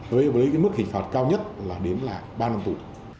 với mức hình phạt cao nhất là đến ba năm tù